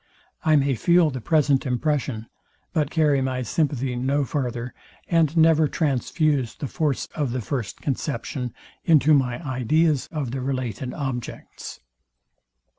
I may feel the present impression, but carry my sympathy no farther, and never transfuse the force of the first conception into my ideas of the related objects.